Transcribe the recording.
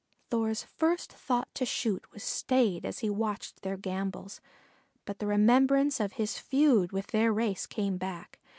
Thor's first thought to shoot was stayed as he watched their gambols, but the remembrance of his feud with their race came back.